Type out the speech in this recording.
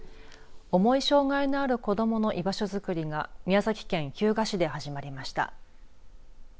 重い障害のある子どもの居場所づくりが宮崎県日向市で始まりました。